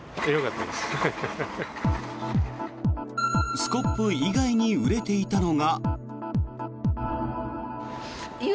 スコップ以外に売れていたのが。